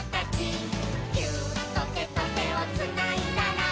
「ギューッとてとてをつないだら」